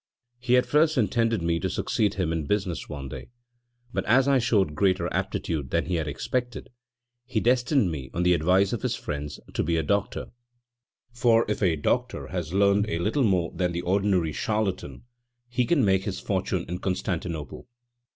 He at first intended me to succeed him in business one day, but as I showed greater aptitude than he had expected, he destined me, on the advice of his friends, to be a doctor; for if a doctor has learned a little more than the ordinary charlatan, he can make his fortune in Constantinople.